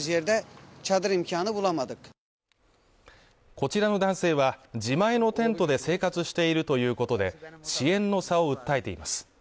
こちらの男性は、自前のテントで生活しているということで支援の差を訴えています。